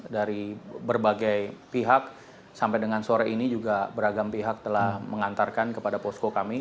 dari berbagai pihak sampai dengan sore ini juga beragam pihak telah mengantarkan kepada posko kami